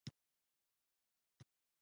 دوی د تبعیض مخه نیسي.